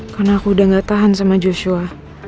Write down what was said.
karena aku udah gak tahan sama joshua